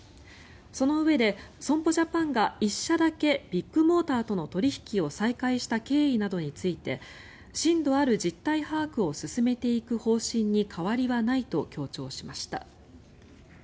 そのうえで損保ジャパンが１社だけビッグモーターとの取引を再開した経緯などについて深度ある実態把握を進めていく方針に変わりはないと強調しました。